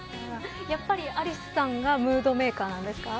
やっぱり、アリスさんがムードメーカーなんですか。